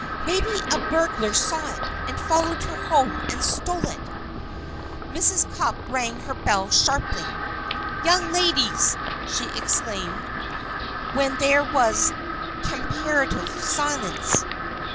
"Maybe a burglar saw it; and followed her home, and stole it." Mrs. Cupp rang her bell sharply. "Young ladies!" she exclaimed, when there was comparative silence.